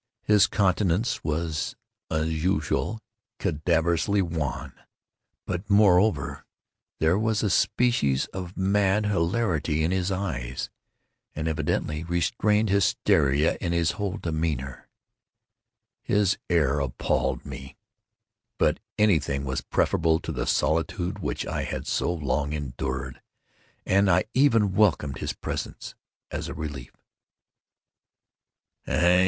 His countenance was, as usual, cadaverously wan—but, moreover, there was a species of mad hilarity in his eyes—an evidently restrained hysteria in his whole demeanor. His air appalled me—but anything was preferable to the solitude which I had so long endured, and I even welcomed his presence as a relief.